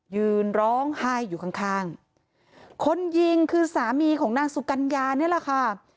ยืนร้องไห้อยู่ข้างข้างคนยิงคือสามีของนางสุกัญญานี่แหละค่ะ